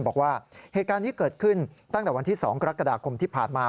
บอกว่าเหตุการณ์นี้เกิดขึ้นตั้งแต่วันที่๒กรกฎาคมที่ผ่านมา